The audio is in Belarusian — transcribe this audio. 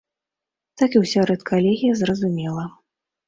Так і ўся рэдкалегія зразумела.